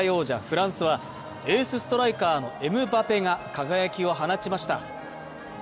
フランスはエースストライカーのエムバペが輝きを放ちました。